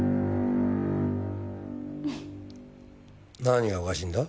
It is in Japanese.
何がおかしいんだ？